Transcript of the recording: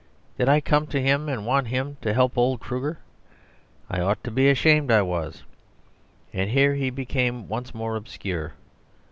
Did I come to him and want him to help old Kruger? I ought to be ashamed, I was... and here he became once more obscure.